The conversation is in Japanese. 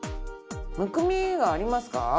「むくみがありますか？」